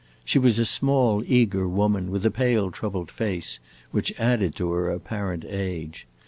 She was a small, eager woman, with a pale, troubled face, which added to her apparent age.